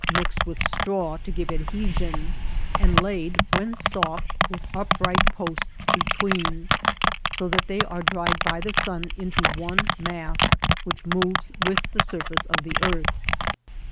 daj mixed with straw to give adheBion^ and laid wfaea ■oft| with upright posts between, so that they are dried by the sun into one mass, which moves with the sorfieioe of the earth.